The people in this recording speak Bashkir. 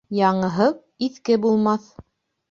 Яңыһыҙ иҫке булмаҫ